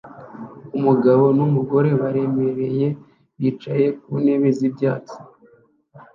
Umugabo n'umugore baremereye bicaye ku ntebe z'ibyatsi